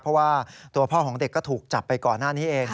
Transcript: เพราะว่าตัวพ่อของเด็กก็ถูกจับไปก่อนหน้านี้เอง